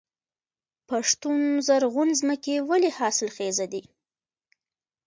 پښتون زرغون ځمکې ولې حاصلخیزه دي؟